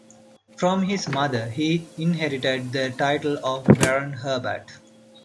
From his mother, he inherited the title of Baron Herbert.